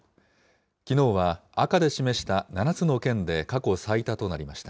きのうは赤で示した７つの県で過去最多となりました。